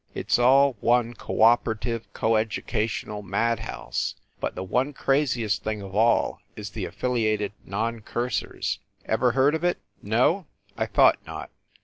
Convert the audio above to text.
It s all one co operative, co educational madhouse; but the one craziest thing of all is the Affiliated Non Cursers. Ever heard of it? No? I thought not!